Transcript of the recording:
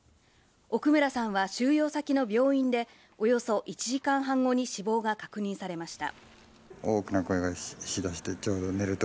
奥村さんは収容先の病院でおよそ１時間半後に死亡が確認されました。